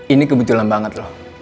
ini kebetulan banget loh